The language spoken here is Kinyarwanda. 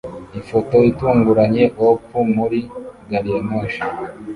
Ifoto itunguranye op muri gariyamoshi